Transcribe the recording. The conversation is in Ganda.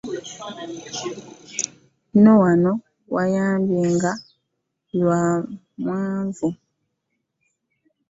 Na wano luyabiawo nga lwa mwavu .